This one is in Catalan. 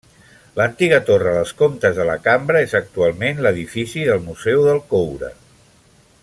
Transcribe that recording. L'antiga torre dels comtes de Lacambra és actualment l'edifici del Museu del Coure.